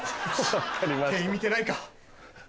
店員見てないか？